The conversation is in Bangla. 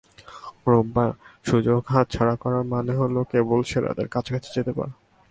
রোববারের সুযোগ হাতছাড়া করা মানে হলো কেবল সেরাদের কাছাকাছি যেতে পারা।